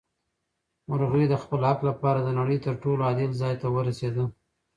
مرغۍ د خپل حق لپاره د نړۍ تر ټولو عادل ځای ته ورسېده.